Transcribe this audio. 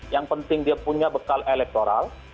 yang penting dia punya bekal elektoral